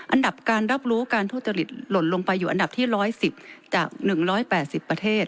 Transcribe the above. อันดับการรับรู้การทุจริตหล่นลงไปอยู่อันดับที่๑๑๐จาก๑๘๐ประเทศ